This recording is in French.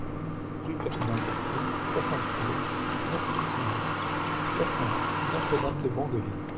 Rue Ferdinand Cartier, soixante-seize, neuf cent soixante Notre-Dame-de-Bondeville